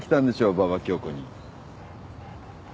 馬場恭子に。